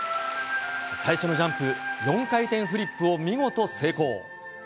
最初のジャンプ、４回転フリップを見事成功。